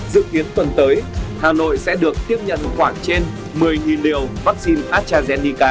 dự kiến tuần tới hà nội sẽ được tiếp nhận khoảng trên một mươi liều vaccine astrazeneca